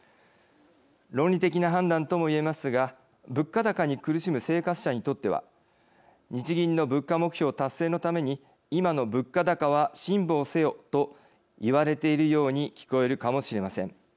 論理的な判断とも言えますが物価高に苦しむ生活者にとっては日銀の物価目標達成のために今の物価高は辛抱せよと言われているように聞こえるかもしれません。